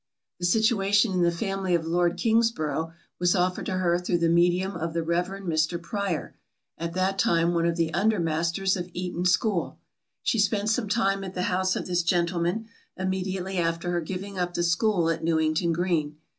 The situation in the family of lord Kingsborough, was offered to her through the medium of the rev. Mr. Prior, at that time one of the under masters of Eton school. She spent some time at the house of this gentleman, immediately after her giving up the school at Newington Green.